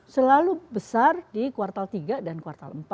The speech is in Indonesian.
selalu besar di kuartal tiga dan kuartal empat